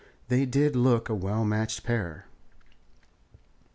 They did look a well matched pair.